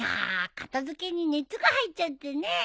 片付けに熱が入っちゃってね。